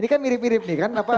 ini kan mirip mirip nih kan